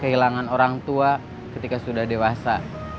kehilangan orang tua ketika sudah dewasa